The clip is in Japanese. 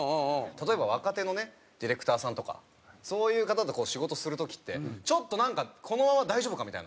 例えば若手のねディレクターさんとかそういう方と仕事をする時ってちょっとなんかこのまま大丈夫か？みたいな。